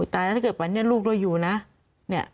ถ้าเกิดปันนี้ลูกได้อยู่นะ